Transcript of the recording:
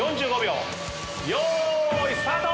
よーいスタート！